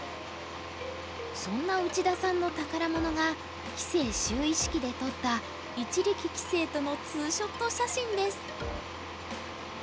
そんな内田さんの宝物が棋聖就位式で撮った一力棋聖とのツーショット写真です。